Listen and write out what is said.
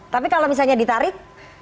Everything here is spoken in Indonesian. tapi kalau misalnya ditarik